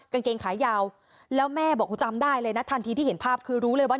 กางเกงขายาวแล้วแม่บอกจำได้เลยนะทันทีที่เห็นภาพคือรู้เลยว่า